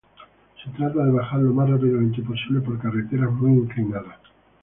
Se trata de bajar lo más rápidamente posible por carreteras muy inclinadas.